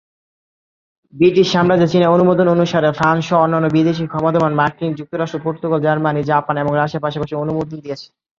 British সাম্রাজ্যে চীনা অনুমোদন অনুসরণে, ফ্রান্স সহ অন্যান্য বিদেশী ক্ষমতাবান, মার্কিন যুক্তরাষ্ট্র, পর্তুগাল, জার্মানি, জাপান, এবং রাশিয়া পাশাপাশি অনুমোদন দিয়েছে।